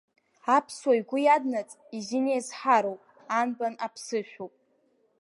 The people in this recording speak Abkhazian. Аԥсуа игәы иаднаҵ изын еизҳароуп, Анбан аԥсышәоуп.